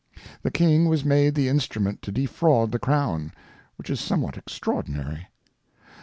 The King was made the Instrument to defraud the Crown, which is somewhat extraordinary.